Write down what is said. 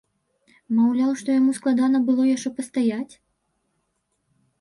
Маўляў, што яму, складана было яшчэ пастаяць?!